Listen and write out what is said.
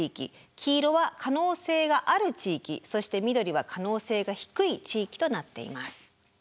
黄色は可能性がある地域そして緑は可能性が低い地域となっています。